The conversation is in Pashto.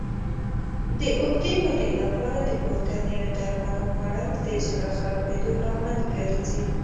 د اوږدې مودې لپاره د پورتنیو درملو خوړل د زړه خرابېدو لامل ګرځي.